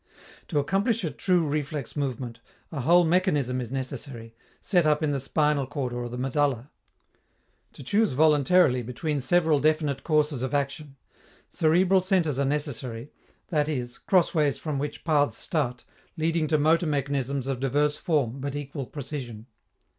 To accomplish a true reflex movement, a whole mechanism is necessary, set up in the spinal cord or the medulla. To choose voluntarily between several definite courses of action, cerebral centres are necessary, that is, crossways from which paths start, leading to motor mechanisms of diverse form but equal precision.